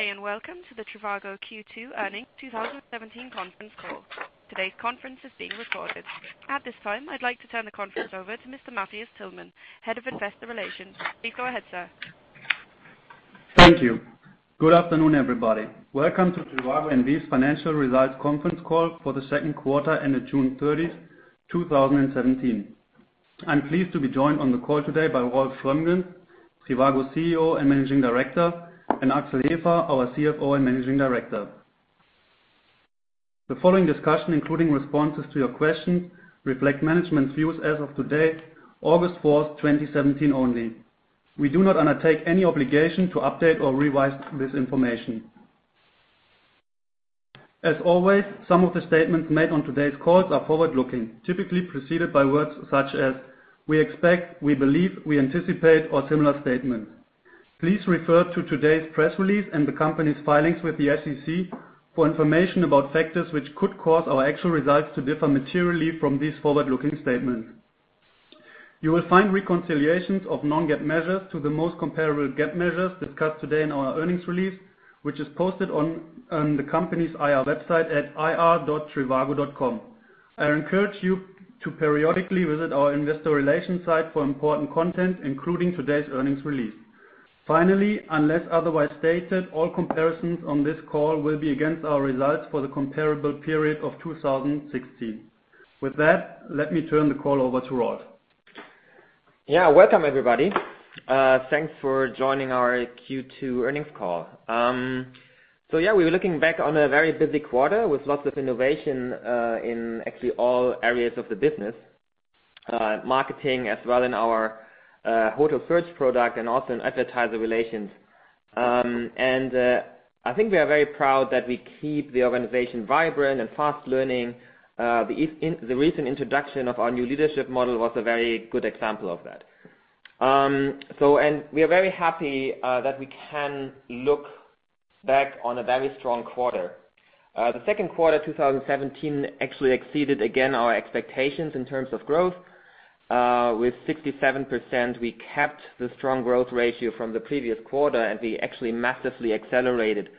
Good day. Welcome to the trivago Q2 Earnings 2017 conference call. Today's conference is being recorded. At this time, I'd like to turn the conference over to Matthias Tillmann, Head of Investor Relations. Please go ahead, sir. Thank you. Good afternoon, everybody. Welcome to trivago N.V.'s Financial Results Conference Call for the second quarter ended June 30th, 2017. I'm pleased to be joined on the call today by Rolf Schrömgens, trivago's CEO and Managing Director, and Axel Hefer, our CFO and Managing Director. The following discussion, including responses to your questions, reflect management's views as of today, August 4th, 2017 only. We do not undertake any obligation to update or revise this information. As always, some of the statements made on today's call are forward-looking, typically preceded by words such as "we expect," "we believe," "we anticipate," or similar statements. Please refer to today's press release and the company's filings with the SEC for information about factors which could cause our actual results to differ materially from these forward-looking statements. You will find reconciliations of non-GAAP measures to the most comparable GAAP measures discussed today in our earnings release, which is posted on the company's IR website at ir.trivago.com. I encourage you to periodically visit our investor relations site for important content, including today's earnings release. Finally, unless otherwise stated, all comparisons on this call will be against our results for the comparable period of 2016. With that, let me turn the call over to Rolf. Welcome, everybody. Thanks for joining our Q2 earnings call. We're looking back on a very busy quarter with lots of innovation in actually all areas of the business, marketing as well in our hotel search product and also in advertiser relations. I think we are very proud that we keep the organization vibrant and fast learning. The recent introduction of our new leadership model was a very good example of that. We are very happy that we can look back on a very strong quarter. The second quarter 2017 actually exceeded again our expectations in terms of growth. With 67%, we kept the strong growth ratio from the previous quarter, and we actually massively accelerated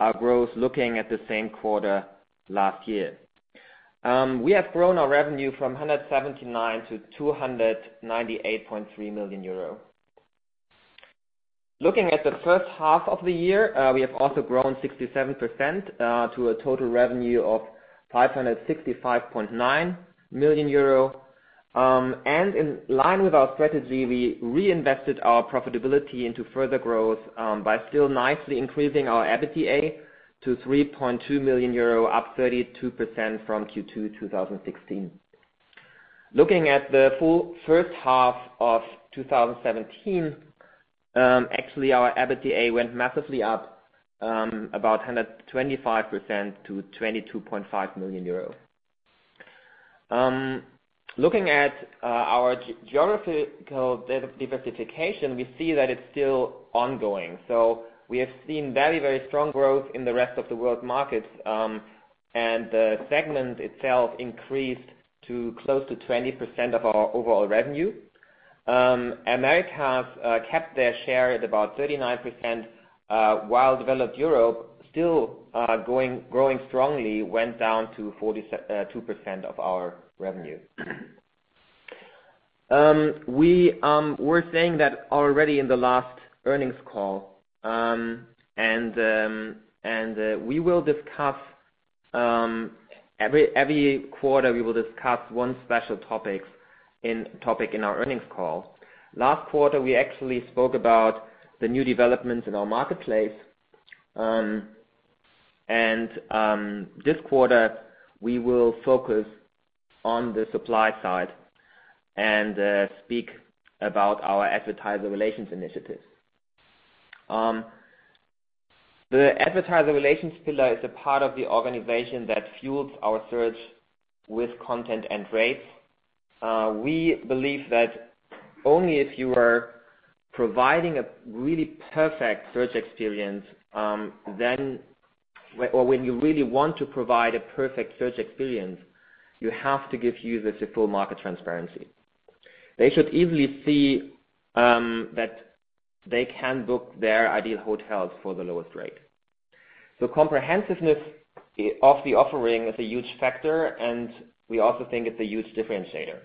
our growth looking at the same quarter last year. We have grown our revenue from 179 to 298.3 million euro. Looking at the first half of the year, we have also grown 67% to a total revenue of 565.9 million euro. In line with our strategy, we reinvested our profitability into further growth by still nicely increasing our EBITDA to 3.2 million euro, up 32% from Q2 2016. Looking at the full first half of 2017, actually our EBITDA went massively up about 125% to 22.5 million euros. Looking at our geographical diversification, we see that it's still ongoing. We have seen very strong growth in the rest of the world markets, and the segment itself increased to close to 20% of our overall revenue. Americas kept their share at about 39%, while Developed Europe still growing strongly, went down to 42% of our revenue. We were saying that already in the last earnings call, every quarter we will discuss one special topic in our earnings call. Last quarter, we actually spoke about the new developments in our marketplace. This quarter, we will focus on the supply side and speak about our advertiser relations initiatives. The advertiser relations pillar is a part of the organization that fuels our search with content and rates. We believe that only if you are providing a really perfect search experience, or when you really want to provide a perfect search experience, you have to give users a full market transparency. They should easily see that they can book their ideal hotels for the lowest rate. Comprehensiveness of the offering is a huge factor, and we also think it's a huge differentiator.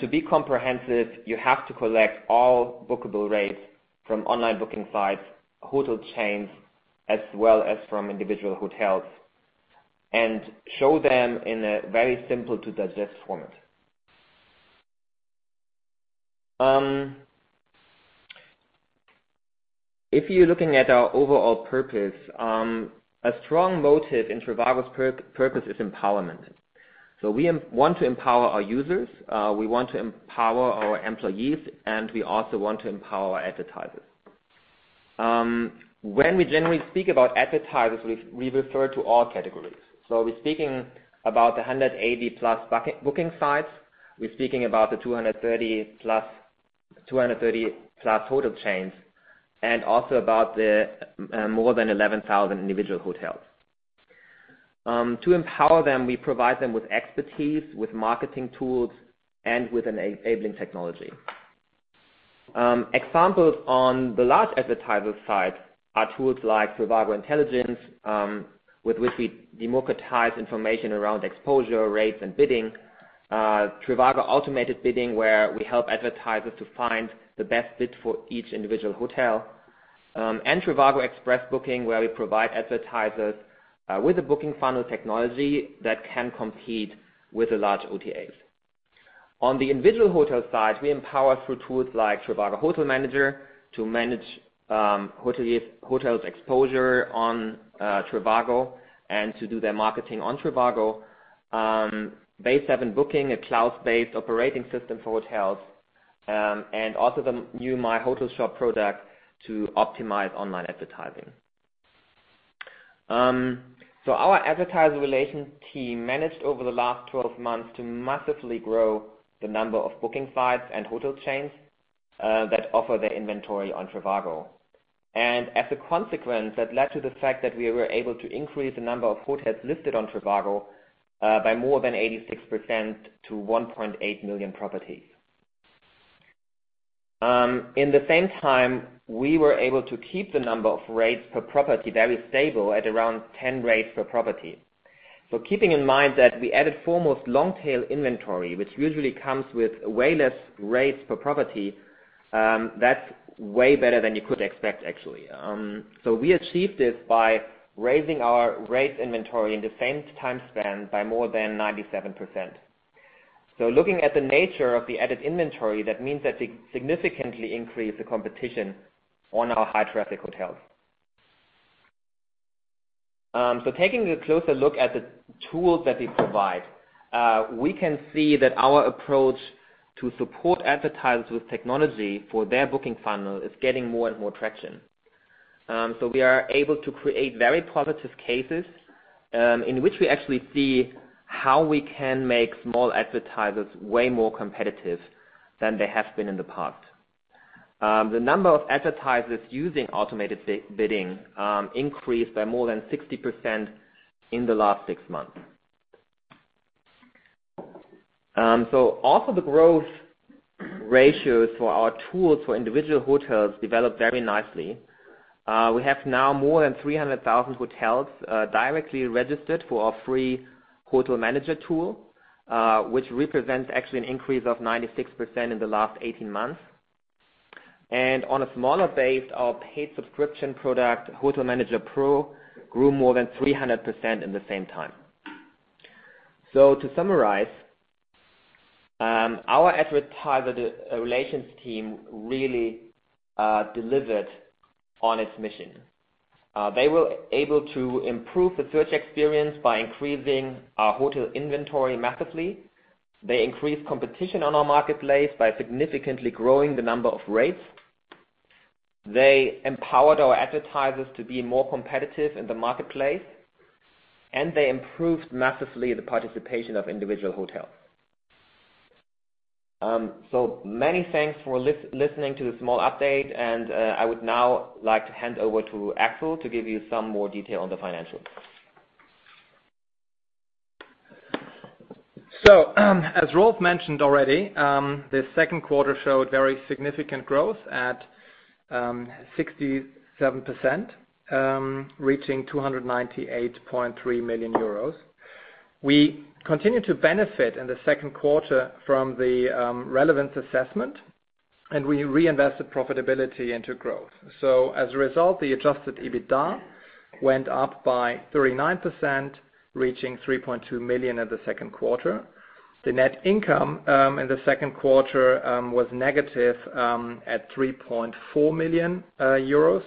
To be comprehensive, you have to collect all bookable rates from online booking sites, hotel chains, as well as from individual hotels and show them in a very simple to digest format. If you're looking at our overall purpose, a strong motive in trivago's purpose is empowerment. We want to empower our users, we want to empower our employees, and we also want to empower advertisers. When we generally speak about advertisers, we refer to all categories. We're speaking about 180+ booking sites, we're speaking about the 230+ hotel chains, and also about the more than 11,000 individual hotels. To empower them, we provide them with expertise, with marketing tools, and with enabling technology. Examples on the large advertiser side are tools like trivago Intelligence, with which we democratize information around exposure, rates, and bidding. trivago Automated Bidding, where we help advertisers to find the best bid for each individual hotel, and trivago Express Booking, where we provide advertisers with a booking funnel technology that can compete with the large OTAs. On the individual hotel side, we empower through tools like trivago Hotel Manager to manage hotels' exposure on trivago and to do their marketing on trivago. Base7booking, a cloud-based operating system for hotels, and also the new My Hotel Shop product to optimize online advertising. Our advertiser relations team managed over the last 12 months to massively grow the number of booking sites and hotel chains that offer their inventory on trivago. As a consequence, that led to the fact that we were able to increase the number of hotels listed on trivago by more than 86% to 1.8 million properties. In the same time, we were able to keep the number of rates per property very stable at around 10 rates per property. Keeping in mind that we added foremost long-tail inventory, which usually comes with way less rates per property, that is way better than you could expect, actually. We achieved this by raising our rates inventory in the same time span by more than 97%. Looking at the nature of the added inventory, that means that we significantly increased the competition on our high-traffic hotels. Taking a closer look at the tools that we provide, we can see that our approach to support advertisers with technology for their booking funnel is getting more and more traction. We are able to create very positive cases in which we actually see how we can make small advertisers way more competitive than they have been in the past. The number of advertisers using Automated Bidding increased by more than 60% in the last six months. Also the growth ratios for our tools for individual hotels developed very nicely. We have now more than 300,000 hotels directly registered for our free Hotel Manager tool, which represents actually an increase of 96% in the last 18 months. On a smaller base, our paid subscription product, Hotel Manager Pro, grew more than 300% in the same time. To summarize, our advertiser relations team really delivered on its mission. They were able to improve the search experience by increasing our hotel inventory massively. They increased competition on our marketplace by significantly growing the number of rates. They empowered our advertisers to be more competitive in the marketplace, and they improved massively the participation of individual hotels. Many thanks for listening to this small update, and I would now like to hand over to Axel to give you some more detail on the financials. As Rolf mentioned already, the second quarter showed very significant growth at 67%, reaching 298.3 million euros. We continued to benefit in the second quarter from the Relevance Assessment, and we reinvested profitability into growth. As a result, the adjusted EBITDA went up by 39%, reaching 3.2 million in the second quarter. The net income in the second quarter was negative at 3.4 million euros,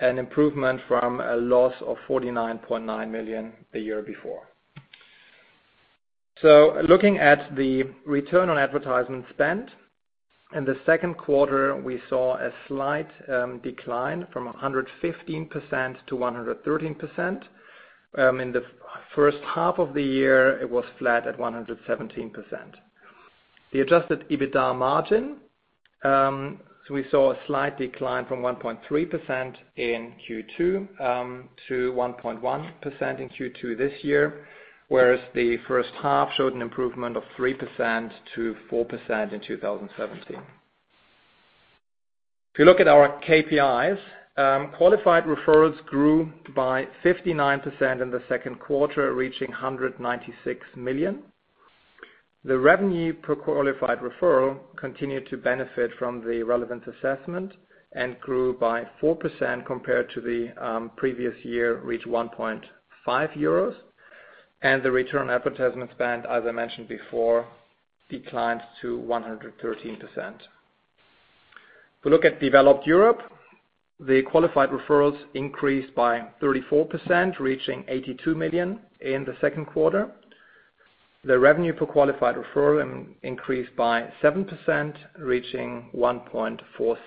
an improvement from a loss of 49.9 million the year before. Looking at the Return on Advertisement Spend, in the second quarter, we saw a slight decline from 115%-113%. In the first half of the year, it was flat at 117%. The adjusted EBITDA margin, so we saw a slight decline from 1.3% in Q2 to 1.1% in Q2 this year, whereas the first half showed an improvement of 3% to 4% in 2017. If you look at our KPIs, Qualified Referrals grew by 59% in the second quarter, reaching 196 million. The Revenue per Qualified Referral continued to benefit from the Relevance Assessment and grew by 4% compared to the previous year, reached EUR 1.5. The Return on Advertisement Spend, as I mentioned before, declined to 113%. If you look at Developed Europe, the Qualified Referrals increased by 34%, reaching 82 million in the second quarter. The Revenue per Qualified Referral increased by 7%, reaching 1.47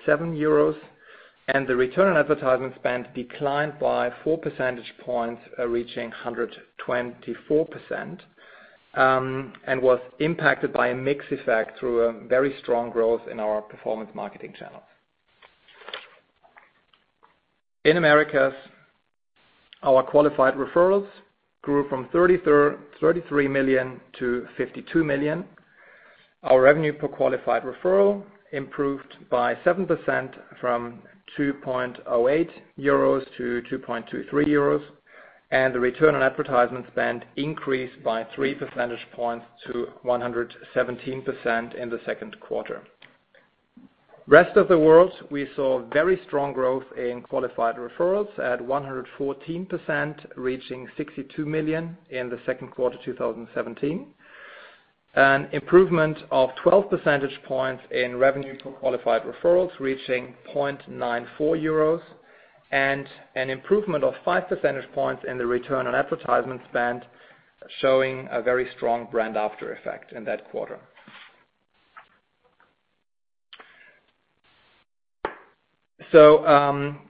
euros. The Return on Advertisement Spend declined by four percentage points, reaching 124%, and was impacted by a mix effect through a very strong growth in our performance marketing channels. In Americas, our Qualified Referrals grew from 33 million-52 million. Our Revenue per Qualified Referral improved by 7%, from €2.08 to €2.23, and the return on advertisement spend increased by three percentage points to 117% in the second quarter. Rest of the world, we saw very strong growth in Qualified Referrals at 114%, reaching 62 million in the second quarter 2017. An improvement of 12 percentage points in Revenue per Qualified Referrals, reaching €94, and an improvement of five percentage points in the return on advertisement spend, showing a very strong brand after effect in that quarter.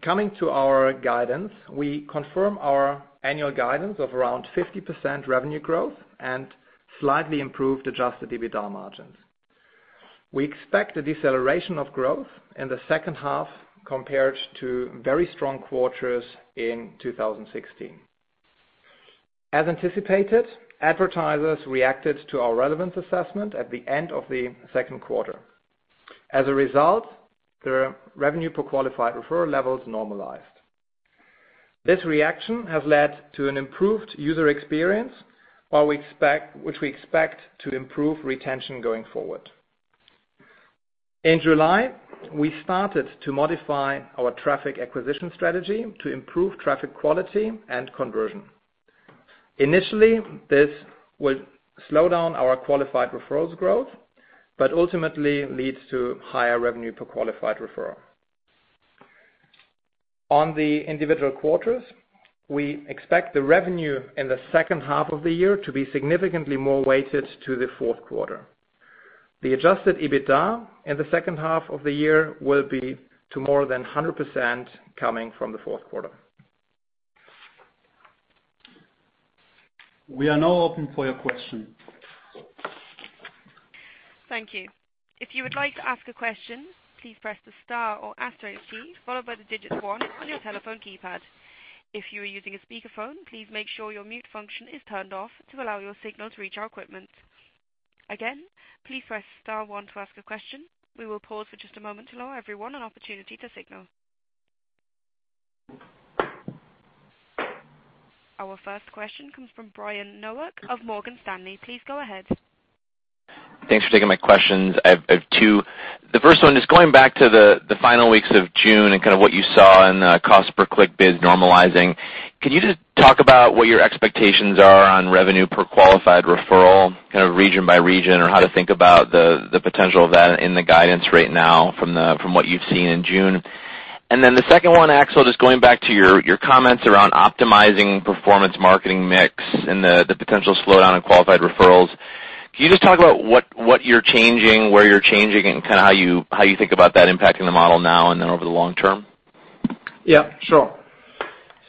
Coming to our guidance, we confirm our annual guidance of around 50% revenue growth and slightly improved adjusted EBITDA margins. We expect a deceleration of growth in the second half compared to very strong quarters in 2016. As anticipated, advertisers reacted to our Relevance Assessment at the end of the second quarter. As a result, the Revenue per Qualified Referral levels normalized. This reaction has led to an improved user experience, which we expect to improve retention going forward. In July, we started to modify our traffic acquisition strategy to improve traffic quality and conversion. Initially, this will slow down our Qualified Referrals growth, but ultimately leads to higher Revenue per Qualified Referral. On the individual quarters, we expect the revenue in the second half of the year to be significantly more weighted to the fourth quarter. The adjusted EBITDA in the second half of the year will be to more than 100% coming from the fourth quarter. We are now open for your question. Thank you. If you would like to ask a question, please press the star or asterisk key followed by the digits one on your telephone keypad. If you are using a speakerphone, please make sure your mute function is turned off to allow your signal to reach our equipment. Again, please press star one to ask a question. We will pause for just a moment to allow everyone an opportunity to signal. Our first question comes from Brian Nowak of Morgan Stanley. Please go ahead. Thanks for taking my questions. I have two. The first one is going back to the final weeks of June and what you saw in the cost per click bid normalizing. Could you just talk about what your expectations are on Revenue per Qualified Referral, region by region, or how to think about the potential of that in the guidance right now from what you've seen in June? The second one, Axel, just going back to your comments around optimizing performance marketing mix and the potential slowdown in Qualified Referrals. Can you just talk about what you're changing, where you're changing, and how you think about that impacting the model now and then over the long term? Yeah, sure.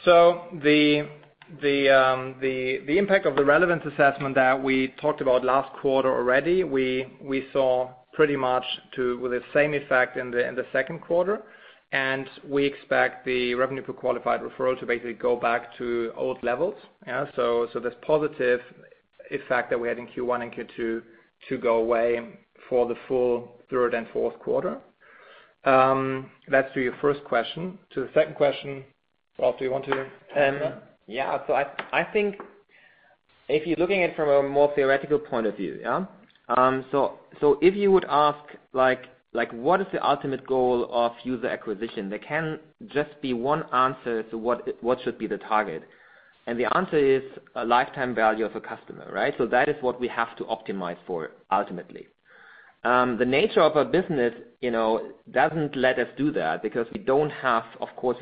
The impact of the Relevance Assessment that we talked about last quarter already, we saw pretty much with the same effect in the second quarter. We expect the Revenue per Qualified Referral to basically go back to old levels. This positive effect that we had in Q1 and Q2 to go away for the full third and fourth quarter. That's to your first question. To the second question, Rolf, do you want to take that? Yeah. I think if you're looking at it from a more theoretical point of view. If you would ask, what is the ultimate goal of user acquisition? There can just be one answer to what should be the target. The answer is a lifetime value of a customer, right? That is what we have to optimize for ultimately. The nature of our business doesn't let us do that because we don't have, of course,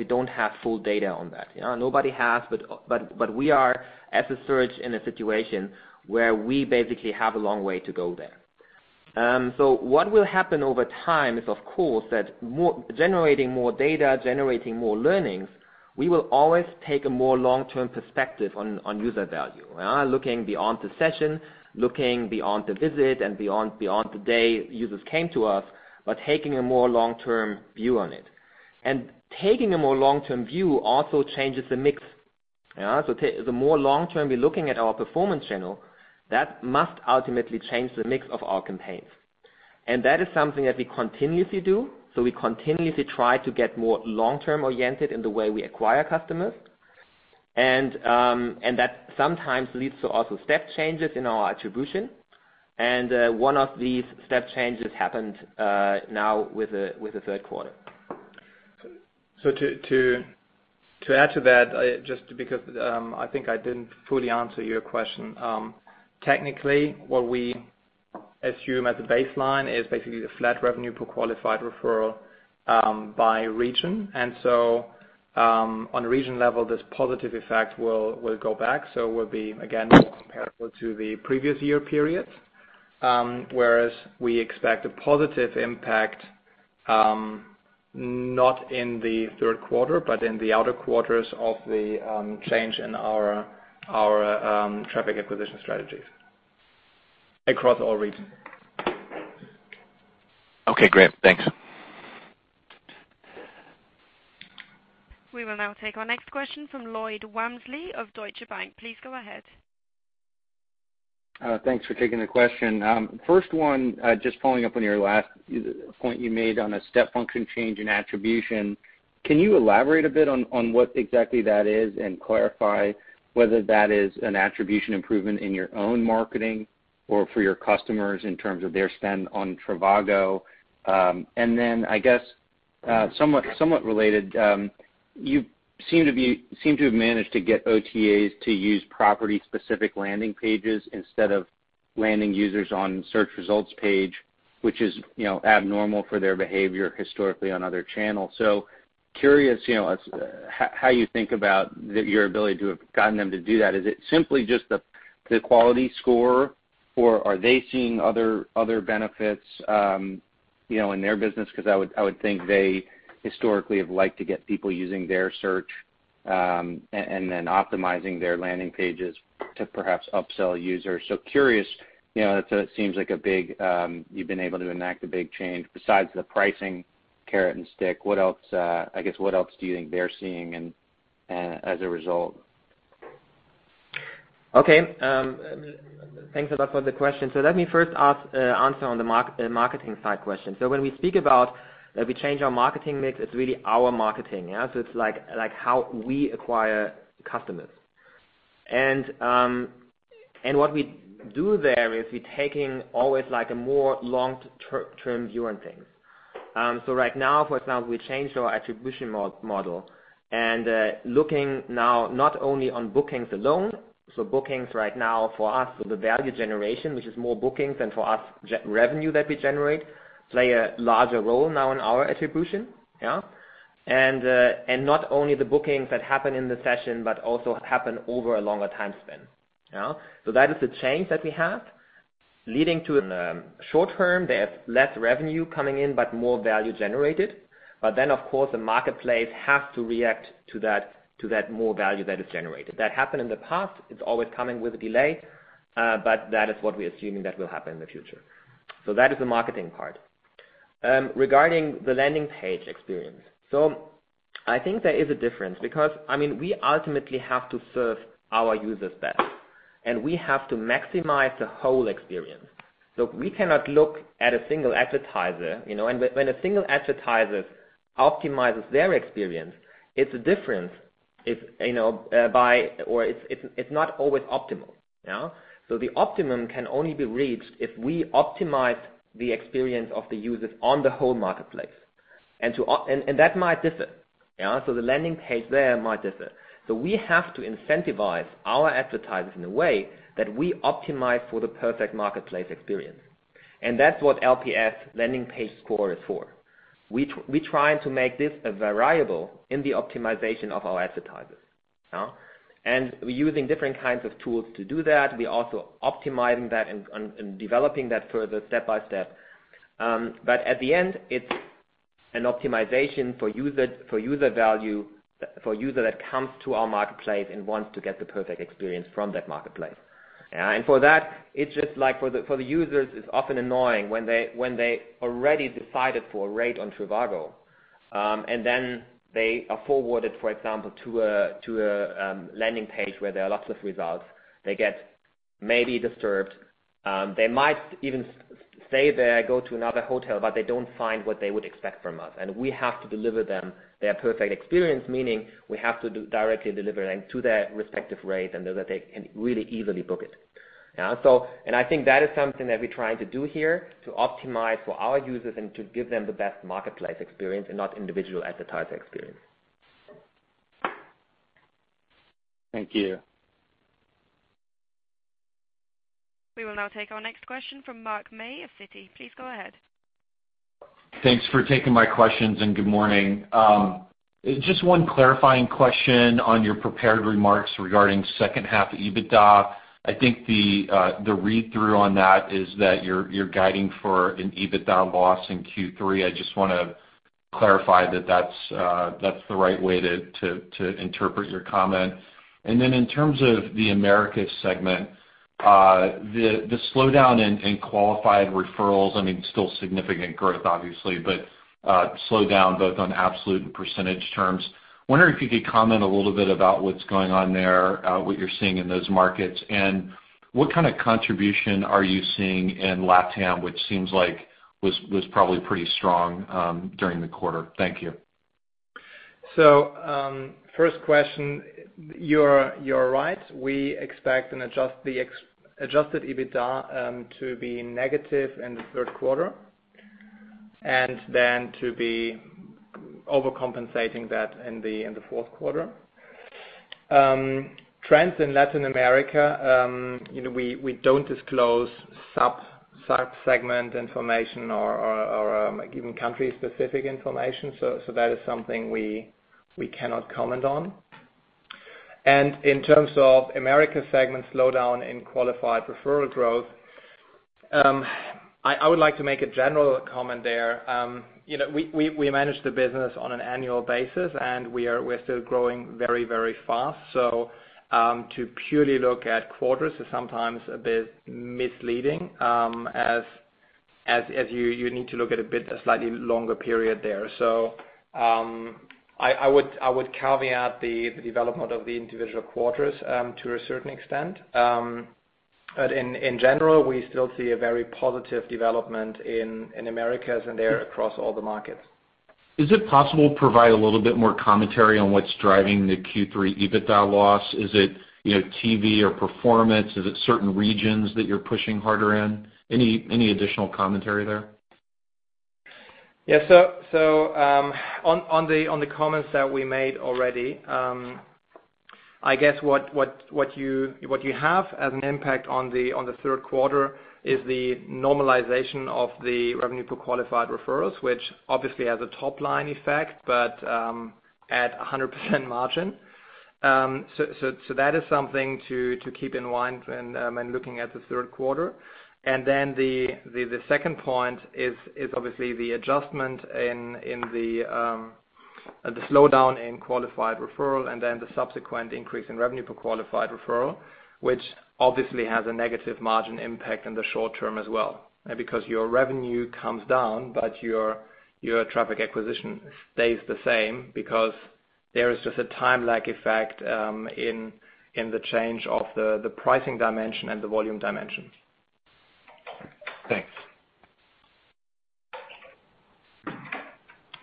full data on that. Nobody has, but we are as a search in a situation where we basically have a long way to go there. What will happen over time is, of course, that generating more data, generating more learnings, we will always take a more long-term perspective on user value. Looking beyond the session, looking beyond the visit, and beyond the day users came to us, but taking a more long-term view on it. Taking a more long-term view also changes the mix. The more long-term we're looking at our performance channel, that must ultimately change the mix of our campaigns. That is something that we continuously do. We continuously try to get more long-term oriented in the way we acquire customers. That sometimes leads to also step changes in our attribution. One of these step changes happened now with the third quarter. To add to that, just because, I think I didn't fully answer your question. Technically, what we assume as a baseline is basically the flat Revenue per Qualified Referral, by region. On a region level, this positive effect will go back. Will be again, more comparable to the previous-year period. Whereas we expect a positive impact, not in the third quarter, but in the outer quarters of the change in our traffic acquisition strategies across all regions. Okay, great. Thanks. We will now take our next question from Lloyd Walmsley of Deutsche Bank. Please go ahead. Thanks for taking the question. First one, just following up on your last point you made on a step function change in attribution. Can you elaborate a bit on what exactly that is and clarify whether that is an attribution improvement in your own marketing or for your customers in terms of their spend on trivago? I guess, somewhat related, you seem to have managed to get OTAs to use property-specific landing pages instead of landing users on search results page, which is abnormal for their behavior historically on other channels. Curious, how you think about your ability to have gotten them to do that. Is it simply just the quality score, or are they seeing other benefits in their business? I would think they historically have liked to get people using their search, and then optimizing their landing pages to perhaps upsell users. Curious, it seems like you've been able to enact a big change besides the pricing carrot and stick. I guess, what else do you think they're seeing as a result? Okay. Thanks a lot for the question. Let me first answer on the marketing side question. When we speak about that we change our marketing mix, it's really our marketing. It's like how we acquire customers. What we do there is we taking always like a more long-term view on things. Right now, for example, we change our attribution model and looking now not only on bookings alone, bookings right now for us, the value generation, which is more bookings than for us revenue that we generate, play a larger role now in our attribution. Yeah. Not only the bookings that happen in the session, but also happen over a longer time span. Yeah. That is the change that we have, leading to in the short term, they have less revenue coming in, but more value generated. Of course, the marketplace has to react to that more value that is generated. That happened in the past. It's always coming with a delay, but that is what we are assuming that will happen in the future. That is the marketing part. Regarding the landing page experience. I think there is a difference because we ultimately have to serve our users best, and we have to maximize the whole experience. We cannot look at a single advertiser. When a single advertiser optimizes their experience, it's a difference or it's not always optimal. The optimum can only be reached if we optimize the experience of the users on the whole marketplace. That might differ. The landing page there might differ. We have to incentivize our advertisers in a way that we optimize for the perfect marketplace experience. That's what LPS, landing page score, is for. We try to make this a variable in the optimization of our advertisers. We're using different kinds of tools to do that. We also optimizing that and developing that further step by step. At the end, it's an optimization for user value, for user that comes to our marketplace and wants to get the perfect experience from that marketplace. For that, it's just like for the users, it's often annoying when they already decided for a rate on trivago, and then they are forwarded, for example, to a landing page where there are lots of results. They get maybe disturbed. They might even stay there, go to another hotel, but they don't find what they would expect from us. We have to deliver them their perfect experience, meaning we have to do directly deliver them to their respective rate and know that they can really easily book it. I think that is something that we're trying to do here to optimize for our users and to give them the best marketplace experience and not individual advertiser experience. Thank you. We will now take our next question from Mark May of Citi. Please go ahead. Thanks for taking my questions, and good morning. Just one clarifying question on your prepared remarks regarding second half EBITDA. I think the read-through on that is that you're guiding for an EBITDA loss in Q3. I just want to clarify that that's the right way to interpret your comment. Then in terms of the Americas segment, the slowdown in Qualified Referrals, I mean, still significant growth, obviously, but slowdown both on absolute and percentage terms. Wondering if you could comment a little bit about what's going on there, what you're seeing in those markets, and what kind of contribution are you seeing in LatAm, which seems like was probably pretty strong during the quarter. Thank you. First question. You're right. We expect the adjusted EBITDA to be negative in the third quarter, then to be overcompensating that in the fourth quarter. Trends in Latin America, we don't disclose sub-segment information or even country-specific information. That is something we cannot comment on. In terms of Americas segment slowdown in Qualified Referral growth, I would like to make a general comment there. We manage the business on an annual basis, and we're still growing very, very fast. To purely look at quarters is sometimes a bit misleading as you need to look at a bit, a slightly longer period there. I would caveat the development of the individual quarters, to a certain extent. In general, we still see a very positive development in Americas and across all the markets. Is it possible to provide a little bit more commentary on what's driving the Q3 EBITDA loss? Is it TV or performance? Is it certain regions that you're pushing harder in? Any additional commentary there? Yeah. On the comments that we made already, I guess what you have as an impact on the third quarter is the normalization of the Revenue per Qualified Referrals, which obviously has a top-line effect, but at 100% margin. That is something to keep in mind when looking at the third quarter. The second point is obviously the adjustment in the slowdown in Qualified Referral, and the subsequent increase in Revenue per Qualified Referral, which obviously has a negative margin impact in the short term as well. Your revenue comes down, but your traffic acquisition stays the same, there is just a time lag effect in the change of the pricing dimension and the volume dimension. Thanks.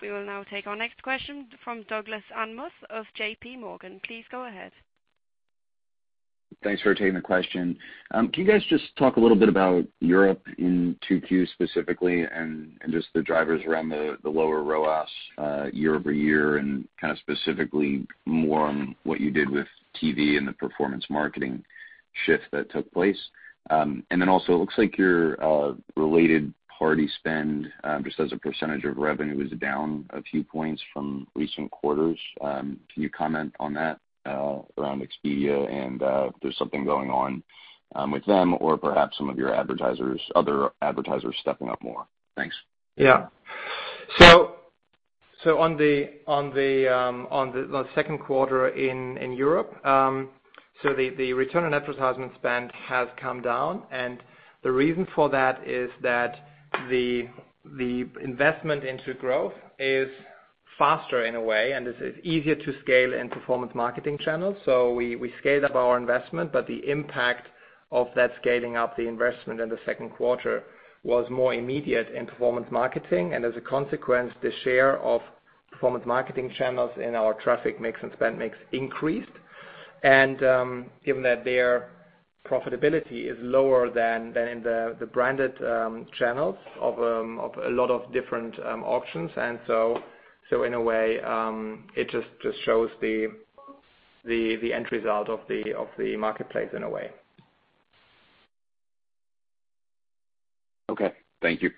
We will now take our next question from Douglas Anmuth of JPMorgan. Please go ahead. Thanks for taking the question. Can you guys just talk a little bit about Europe in 2Q specifically and just the drivers around the lower ROAS year-over-year and kind of specifically more on what you did with TV and the performance marketing shift that took place. Also, it looks like your related party spend, just as a percentage of revenue, is down a few points from recent quarters. Can you comment on that around Expedia and if there's something going on with them or perhaps some of your other advertisers stepping up more? Thanks. On the second quarter in Europe, the return on advertisement spend has come down. The reason for that is that the investment into growth is faster in a way, and it is easier to scale in performance marketing channels. We scaled up our investment, but the impact of that scaling up the investment in the second quarter was more immediate in performance marketing. As a consequence, the share of performance marketing channels in our traffic mix and spend mix increased. Given that their profitability is lower than in the branded channels of a lot of different auctions. In a way, it just shows the end result of the marketplace. Okay. Thank you.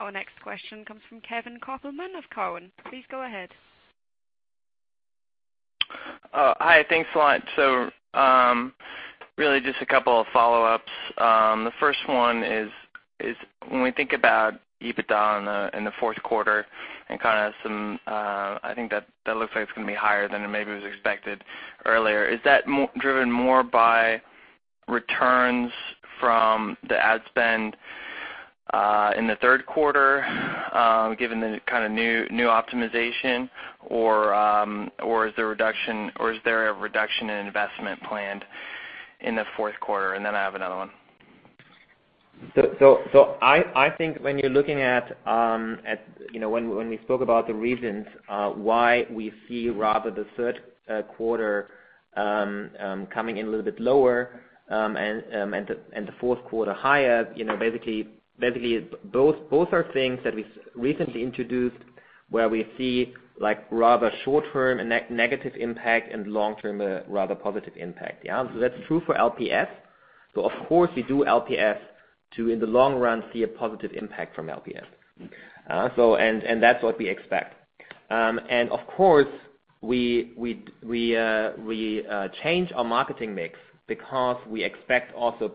Our next question comes from Kevin Kopelman of Cowen. Please go ahead. Hi. Thanks a lot. Really just a couple of follow-ups. The first one is when we think about EBITDA in the fourth quarter and I think that looks like it's going to be higher than it maybe was expected earlier. Is that driven more by returns from the ad spend in the third quarter, given the new optimization, or is there a reduction in investment planned in the fourth quarter? Then I have another one. I think when we spoke about the reasons why we see rather the third quarter coming in a little bit lower, and the fourth quarter higher, basically both are things that we recently introduced where we see rather short-term negative impact and long-term rather positive impact. That's true for LPS. Of course, we do LPS to, in the long run, see a positive impact from LPS. That's what we expect. Of course, we change our marketing mix because we expect also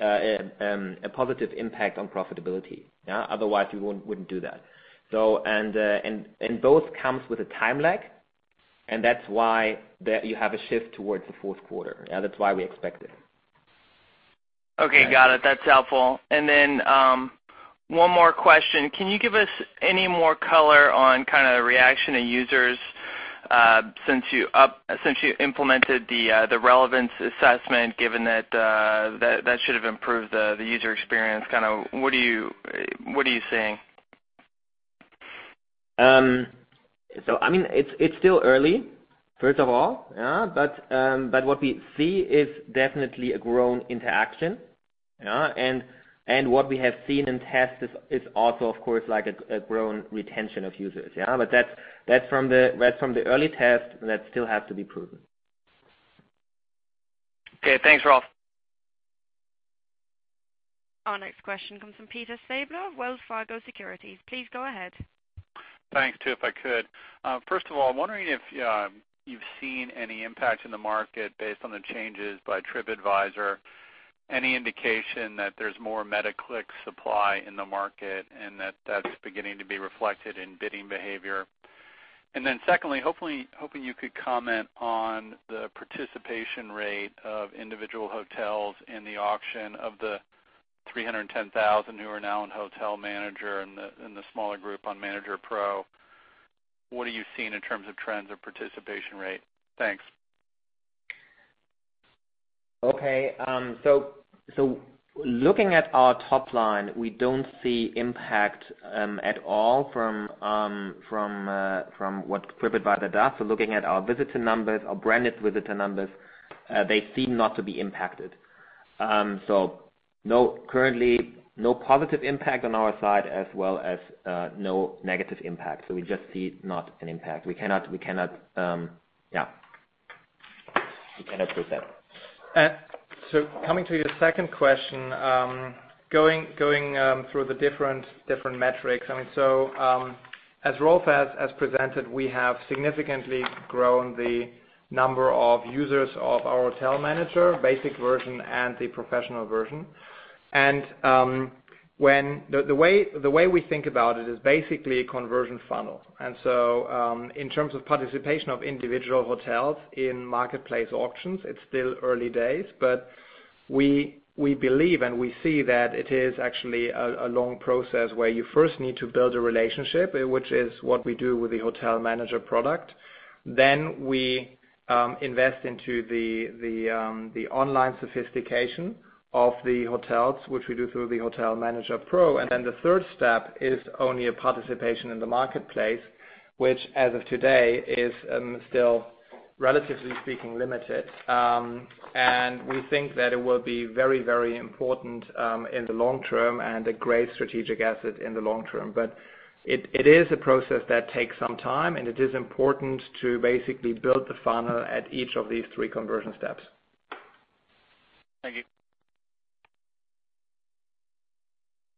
a positive impact on profitability. Otherwise, we wouldn't do that. Both comes with a time lag, and that's why you have a shift towards the fourth quarter. That's why we expect it. Okay. Got it. That's helpful. Then, one more question. Can you give us any more color on the reaction of users since you implemented the Relevance Assessment, given that should have improved the user experience. What are you seeing? It's still early, first of all. What we see is definitely a grown interaction. What we have seen in tests is also of course, like a grown retention of users. That's from the early test and that still has to be proven. Okay, thanks Rolf. Our next question comes from Peter Stabler, Wells Fargo Securities. Please go ahead. Thanks. Two, if I could. First of all, I'm wondering if you've seen any impact in the market based on the changes by TripAdvisor. Any indication that there's more meta click supply in the market and that that's beginning to be reflected in bidding behavior? Secondly, hoping you could comment on the participation rate of individual hotels in the auction of the 310,000 who are now in Hotel Manager and the smaller group on Manager Pro. What are you seeing in terms of trends of participation rate? Thanks. Okay. Looking at our top line, we don't see impact at all from what's driven by the DA. Looking at our visitor numbers, our branded visitor numbers, they seem not to be impacted. Currently, no positive impact on our side as well as no negative impact. We just see not an impact. We cannot prove that. Coming to your second question, going through the different metrics. As Rolf has presented, we have significantly grown the number of users of our Hotel Manager basic version and the professional version. The way we think about it is basically a conversion funnel. In terms of participation of individual hotels in marketplace auctions, it's still early days, but we believe and we see that it is actually a long process where you first need to build a relationship, which is what we do with the Hotel Manager product. Then we invest into the online sophistication of the hotels, which we do through the Hotel Manager Pro. The third step is only a participation in the marketplace, which as of today is still, relatively speaking, limited. We think that it will be very, very important in the long term and a great strategic asset in the long term. It is a process that takes some time, and it is important to basically build the funnel at each of these three conversion steps. Thank you.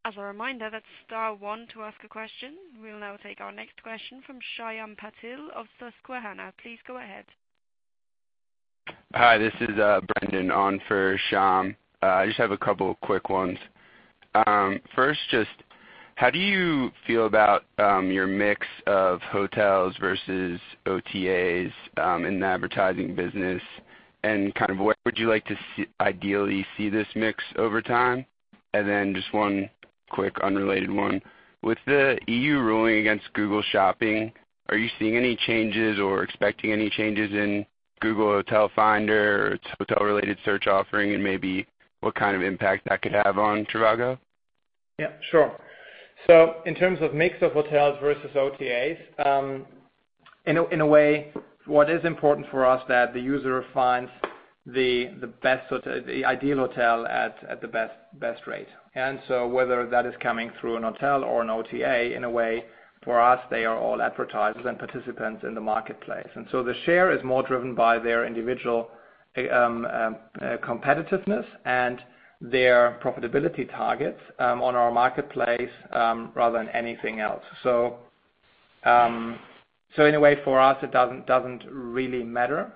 As a reminder, that's star 1 to ask a question. We'll now take our next question from Shyam Patil of Susquehanna. Please go ahead. Hi, this is Brendan on for Shyam. I just have a couple quick ones. First, just how do you feel about your mix of hotels versus OTAs in the advertising business, and kind of where would you like to ideally see this mix over time? Then just one quick, unrelated one. With the EU ruling against Google Shopping, are you seeing any changes or expecting any changes in Google Hotel Finder, its hotel-related search offering, and maybe what kind of impact that could have on trivago? Yeah, sure. In terms of mix of hotels versus OTAs, in a way, what is important for us is that the user finds the ideal hotel at the best rate. Whether that is coming through an hotel or an OTA, in a way, for us, they are all advertisers and participants in the marketplace. The share is more driven by their individual competitiveness and their profitability targets on our marketplace rather than anything else. In a way, for us, it doesn't really matter.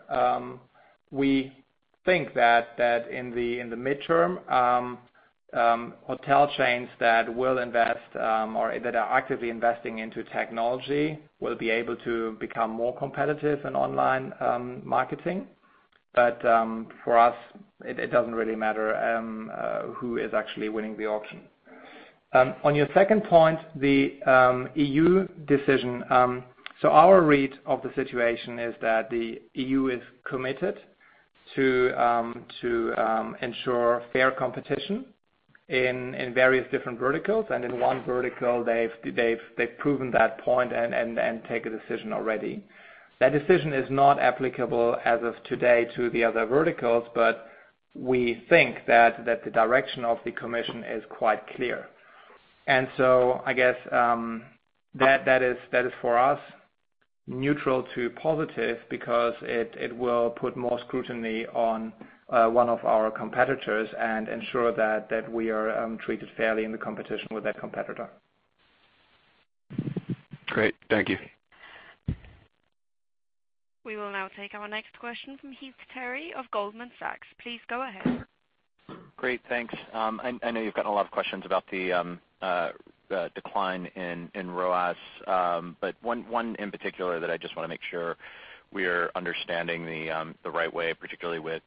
We think that in the midterm, hotel chains that will invest or that are actively investing into technology will be able to become more competitive in online marketing. For us, it doesn't really matter who is actually winning the auction. On your second point, the EU decision. Our read of the situation is that the EU is committed to ensure fair competition in various different verticals. In one vertical, they've proven that point and take a decision already. That decision is not applicable as of today to the other verticals, but we think that the direction of the commission is quite clear. I guess that is for us, neutral to positive because it will put more scrutiny on one of our competitors and ensure that we are treated fairly in the competition with that competitor. Great. Thank you. We will now take our next question from Heath Terry of Goldman Sachs. Please go ahead. Great, thanks. I know you've gotten a lot of questions about the decline in ROAS, but one in particular that I just want to make sure we're understanding the right way, particularly with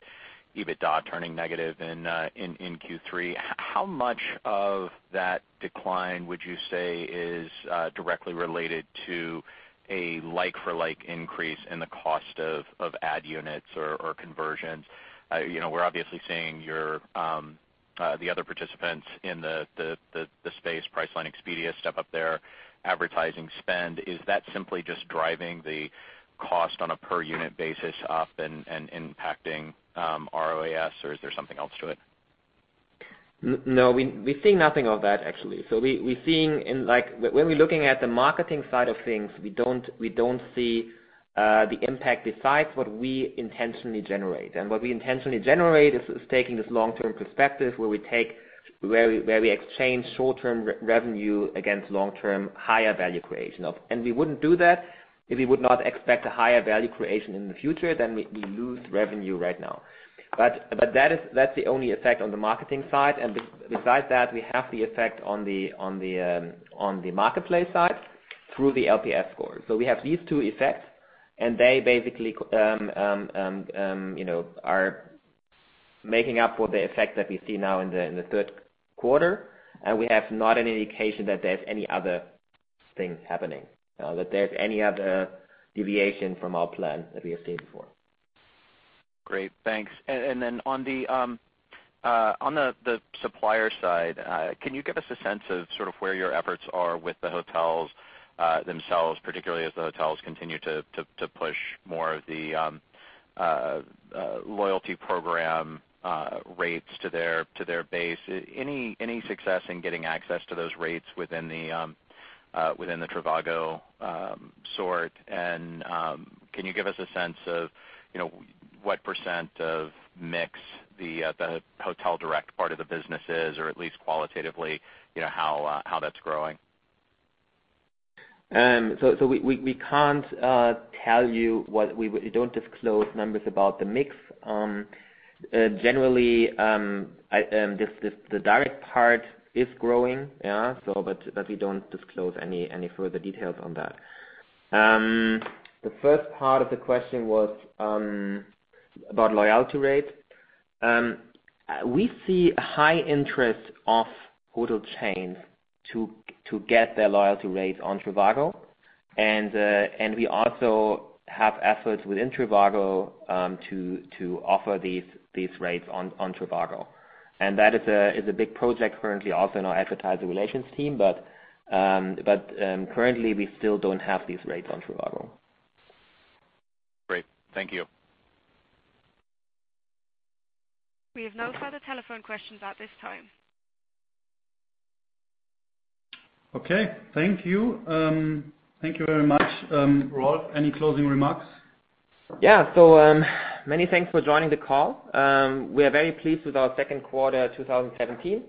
EBITDA turning negative in Q3. How much of that decline would you say is directly related to a like-for-like increase in the cost of ad units or conversions? We're obviously seeing the other participants in the space, Priceline, Expedia, step up their advertising spend. Is that simply just driving the cost on a per-unit basis up and impacting ROAS, or is there something else to it? No, we see nothing of that, actually. When we're looking at the marketing side of things, we don't see the impact besides what we intentionally generate. What we intentionally generate is taking this long-term perspective where we exchange short-term revenue against long-term higher value creation. We wouldn't do that if we would not expect a higher value creation in the future than we lose revenue right now. That's the only effect on the marketing side. Besides that, we have the effect on the marketplace side through the LPS score. We have these two effects, and they basically are making up for the effect that we see now in the third quarter. We have not any indication that there's any other thing happening, that there's any other deviation from our plan that we have seen before. Great, thanks. Then on the supplier side, can you give us a sense of sort of where your efforts are with the hotels themselves, particularly as the hotels continue to push more of the loyalty program rates to their base. Any success in getting access to those rates within the trivago sort, and can you give us a sense of what % of mix the hotel direct part of the business is, or at least qualitatively how that's growing? We don't disclose numbers about the mix. Generally, the direct part is growing, we don't disclose any further details on that. The first part of the question was about loyalty rates. We see a high interest of hotel chains to get their loyalty rates on trivago. We also have efforts within trivago to offer these rates on trivago. That is a big project currently also in our advertising relations team, currently we still don't have these rates on trivago. Great. Thank you. We have no further telephone questions at this time. Okay. Thank you. Thank you very much. Rolf, any closing remarks? Yeah. Many thanks for joining the call. We are very pleased with our second quarter 2017.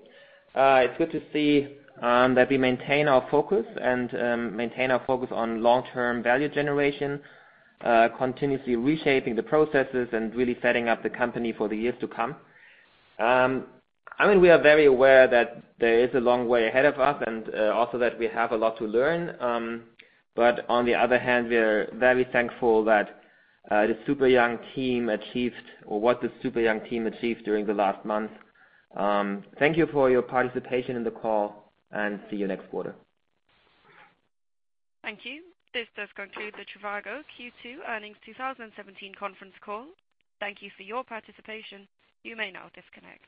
It's good to see that we maintain our focus and maintain our focus on long-term value generation, continuously reshaping the processes and really setting up the company for the years to come. We are very aware that there is a long way ahead of us and also that we have a lot to learn. On the other hand, we are very thankful what the super young team achieved during the last month. Thank you for your participation in the call, and see you next quarter. Thank you. This does conclude the trivago Q2 Earnings 2017 conference call. Thank you for your participation. You may now disconnect.